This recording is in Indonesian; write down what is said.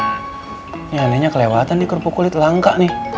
ini anehnya kelewatan nih kerupuk kulit langka nih